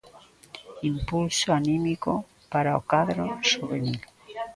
Impulso anímico para o cadro xuvenil.